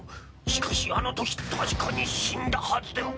しかしあのとき確かに死んだはずでは。